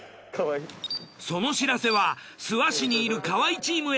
その知らせは諏訪市にいる河合チームへ。